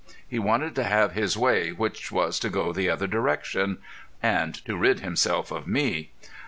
He wanted to have his way, which was to go the other direction, and to rid himself of me.